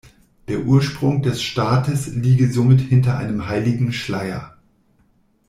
Der Ursprung des Staates liege somit hinter einem „heiligen Schleier“.